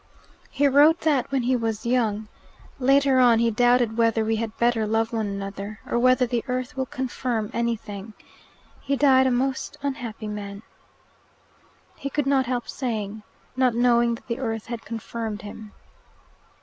"He wrote that when he was young. Later on he doubted whether we had better love one another, or whether the earth will confirm anything. He died a most unhappy man." He could not help saying, "Not knowing that the earth had confirmed him."